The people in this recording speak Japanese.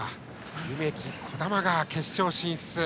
梅木、児玉が決勝進出。